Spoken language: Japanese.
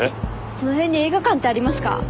この辺に映画館ってありますか？